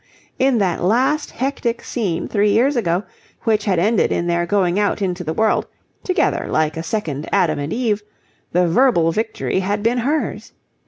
In that last hectic scene three years ago, which had ended in their going out into the world, together like a second Adam and Eve, the verbal victory had been hers.